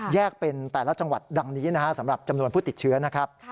เป็นแต่ละจังหวัดดังนี้นะฮะสำหรับจำนวนผู้ติดเชื้อนะครับ